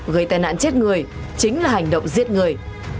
gây tai nạn chết người chính là hành động giết người